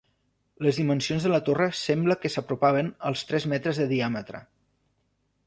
Les dimensions de la torre sembla que s'apropaven als tres metres de diàmetre.